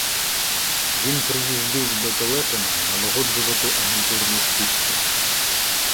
Він приїздив до Телепина налагоджувати агентурну сітку.